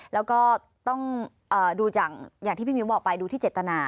แล้วก็ต้องดูอย่างที่พี่มิ้วบอกไปดูที่เจตนา